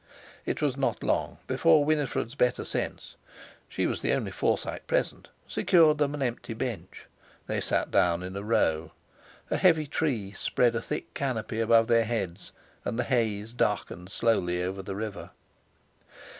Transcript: It was not long before Winifred's better sense—she was the only Forsyte present—secured them an empty bench. They sat down in a row. A heavy tree spread a thick canopy above their heads, and the haze darkened slowly over the river.